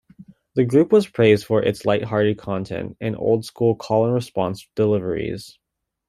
The group was praised for its light-hearted content and old-school call-and-response deliveries.